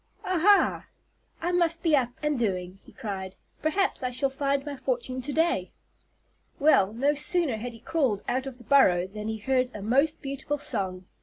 "Ah, ha! I must be up and doing," he cried. "Perhaps I shall find my fortune to day." Well, no sooner had he crawled out of the burrow than he heard a most beautiful song.